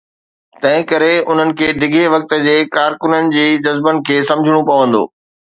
تنهن ڪري انهن کي ڊگهي وقت جي ڪارڪنن جي جذبن کي سمجهڻو پوندو.